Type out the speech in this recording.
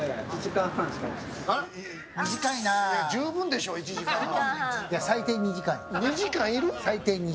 いや十分でしょ、１時間半。